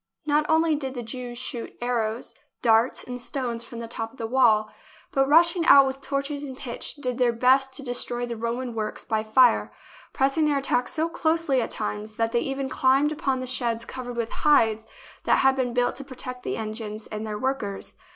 Not only did the Jews shoot ar THE BOOK OF FAMOUS SIEGES rows, darts, and stones from the top of the wall, but rushing out with torches and pitch, did their best to destroy the Roman works by fire, pressing their attack so closely at times that they even climbed upon the sheds covered with hides that had been built to protect the engines and their workers.